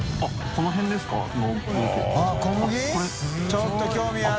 ちょっと興味ある！